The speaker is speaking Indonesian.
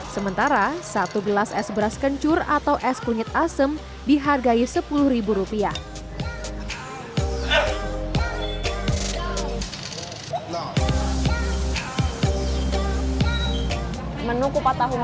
sementara satu gelas es beras kencur atau es kunyit asem dihargai sepuluh rupiah